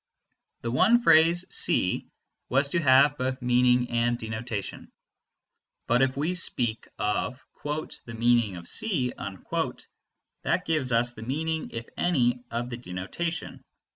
The one phrase C was to have both meaning and denotation. But if we speak of "the meaning of C," that gives us the meaning (if any) of the denotation.